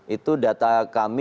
itu data kami